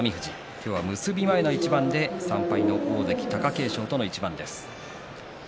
今日は結び前の一番で３敗の大関貴景勝との一番です。